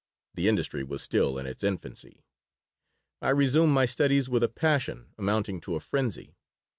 The industry was still in its infancy I resumed my studies with a passion amounting to a frenzy.